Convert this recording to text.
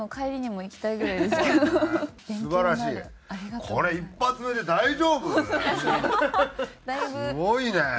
すごいね！